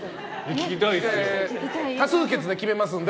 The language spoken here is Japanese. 多数決で決めますんで。